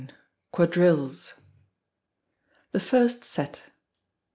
139. Quadrilles. The First Set.